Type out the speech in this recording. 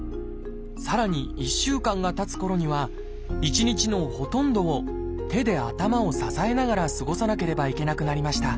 さらに１週間がたつころには１日のほとんどを手で頭を支えながら過ごさなければいけなくなりました